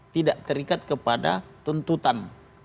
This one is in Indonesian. tidak terikat kepada tuntutan